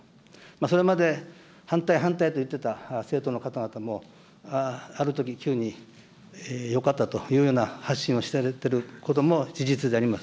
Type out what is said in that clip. それまで反対、反対と言っていた方々も、あるとき急によかったというふうに発信をしている方も、事実であります。